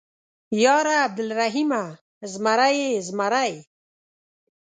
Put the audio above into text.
_ياره عبرالرحيمه ، زمری يې زمری.